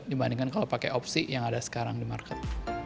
dibandingkan kalau pakai opsi yang ada sekarang di market